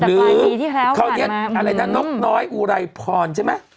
หรือเขาเรียกอะไรนะนกน้อยอูระยย์พรใช่ไหม